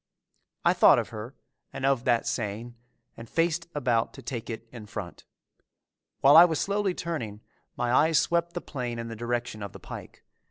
I thought of her and of that saying and faced about to take it in front. While I was slowly turning, my eyes swept the plain in the direction of the pike.